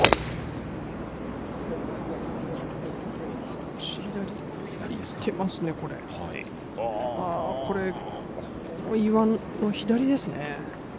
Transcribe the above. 少し左に行ってますね、この岩の左ですね。